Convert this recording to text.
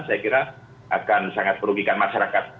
saya kira akan sangat merugikan masyarakat